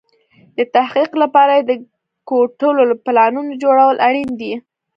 د تحقق لپاره يې د کوټلو پلانونو جوړول اړين دي.